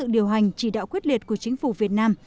điều hành chỉ đạo quyết liệt của chính phủ việt nam